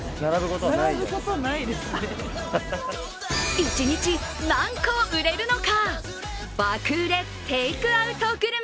一日何個売れるのか？